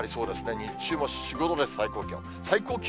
日中も４、５度です、最高気温。